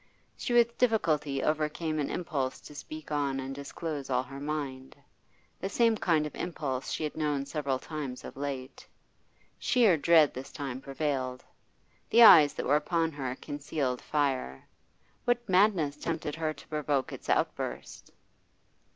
She with difficulty overcame an impulse to speak on and disclose all her mind, the same kind of impulse she had known several times of late. Sheer dread this time prevailed. The eyes that were upon her concealed fire; what madness tempted her to provoke its outburst?